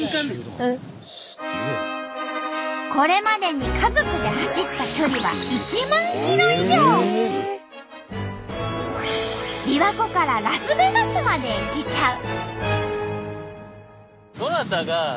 これまでに家族で走った距離はびわ湖からラスベガスまで行けちゃう。